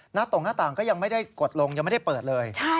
ตรงหน้าต่างก็ยังไม่ได้กดลงยังไม่ได้เปิดเลย